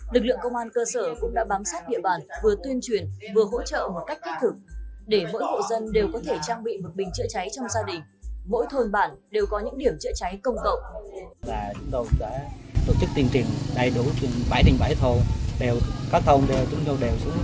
lực lượng công an cơ sở cũng đã bám sát địa bàn vừa tuyên truyền vừa hỗ trợ một cách thích thực để mỗi hộ dân đều có thể trang bị một bình chữa cháy trong gia đình